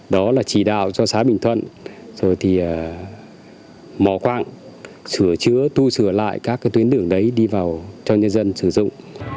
đó là chỉ đạo cho xã bình thuận rồi thì mò quạng sửa chữa tu sửa lại các tuyến đường đấy đi vào cho nhân dân sử dụng